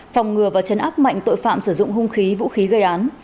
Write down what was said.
phòng ngừa và chấn áp mạnh tội phạm sử dụng hung khí vũ khí gây án